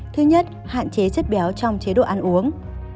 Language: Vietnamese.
thứ nhất hạn chế chất béo trong chế độ ăn uống